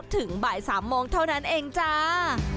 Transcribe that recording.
ถึงบ่าย๓โมงเท่านั้นเองจ้า